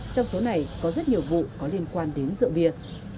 trong số này có rất nhiều vụ có liên quan đến dựa biệt